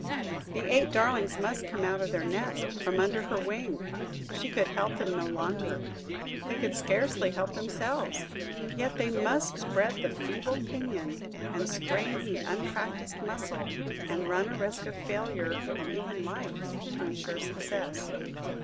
The eight darlings must come out of their nest, from under her wing; she could help them no longer–they could scarcely help themselves. Yet they must spread the feeble pinion, and strain the unpractised muscle, and run a risk of failure and even life, to insure success.